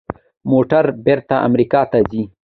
موټرې بیرته امریکا ته ځي.